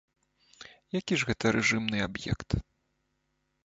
І які ж гэта рэжымны аб'ект?